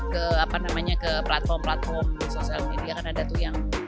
ke apa namanya ke platform platform di sosial media kan ada tuh yang